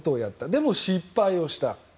でも失敗をした。